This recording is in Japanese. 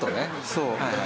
そう。